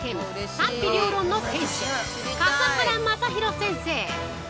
「賛否両論」の店主笠原将弘先生！